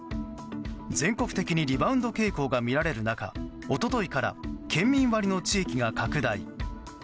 全国的にリバウンド傾向が見られる中一昨日から県民割の地域が拡大。